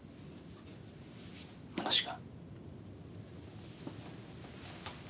話が。